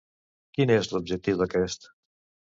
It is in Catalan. Quin és l'objectiu d'aquest?